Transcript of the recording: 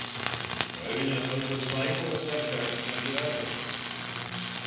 Vai viņos vecos laikos ar kāds maz ir atradis!